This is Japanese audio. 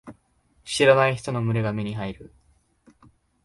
知らない人の群れが目に入る。